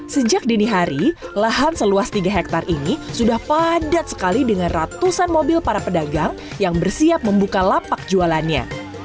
sejak dini hari lahan seluas tiga hektare ini sudah padat sekali dengan ratusan mobil para pedagang yang bersiap membuka lapak jualannya